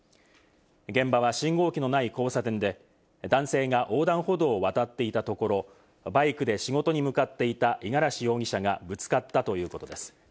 現場は信号機のない交差点で、男性が横断歩道を渡っていたところ、バイクで仕事に向かっていた五十嵐容疑者がぶつかったということです。